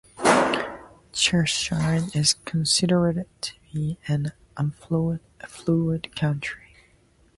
Cheshire is considered to be an affluent county.